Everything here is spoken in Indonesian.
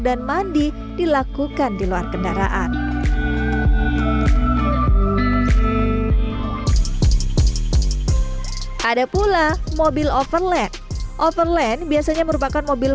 dan mandi dilakukan di luar kendaraan ada pula mobil overland overland biasanya merupakan mobil